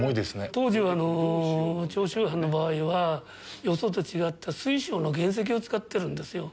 当時、長州藩の場合は、よそと違った水晶の原石を使ってるんですよ。